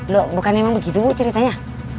loh bukan emang begitu bu ceritanya